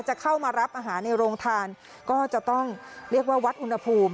จะเข้ามารับอาหารในโรงทานก็จะต้องเรียกว่าวัดอุณหภูมิ